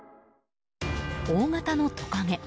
大型のトカゲ。